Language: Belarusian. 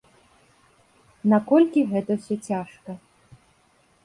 Наколькі гэта ўсё цяжка?